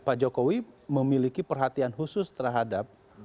pak jokowi memiliki perhatian khusus terhadap